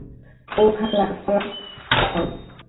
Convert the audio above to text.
ও খালা, কলা খাও?